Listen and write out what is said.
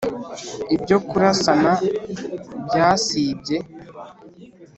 ibyo kurasana byasibye.